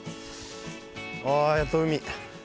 あやっと海。